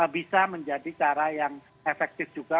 bisa menjadi cara yang efektif juga